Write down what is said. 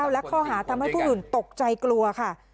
และข้อหาทำให้ผู้อื่นตกใจกลัวค่ะ